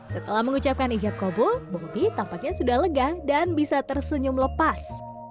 setelah mengucapkan ijak kobul bobby tampaknya sudah lega dan bisa tersenyum lepas